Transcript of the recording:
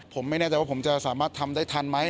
ผมไม่แน่ใจว่าผมจะสามารถทำได้ทันไหม